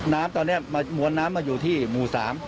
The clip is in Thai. น้ำตอนนี้มวลน้ำมาอยู่ที่หมู่๓